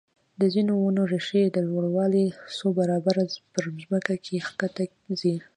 د ځینو ونو ریښې د لوړوالي څو برابره په ځمکه کې ښکته ځي.